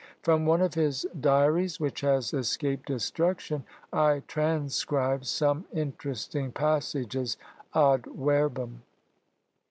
From one of his "Diaries," which has escaped destruction, I transcribe some interesting passages ad verbum.